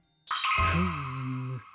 フーム。